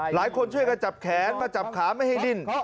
หลายคนช่วยกันจับแขนมาจับขาไม่ให้ดิ้น